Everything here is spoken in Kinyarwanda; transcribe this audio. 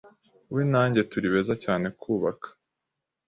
We na njye turi beza cyane kubaka.